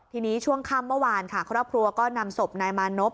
ทีนี้ช่วงค่ำเมื่อวานค่ะครอบครัวก็นำศพนายมานพ